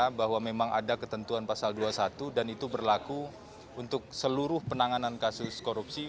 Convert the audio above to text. bahwa memang ada ketentuan pasal dua puluh satu dan itu berlaku untuk seluruh penanganan kasus korupsi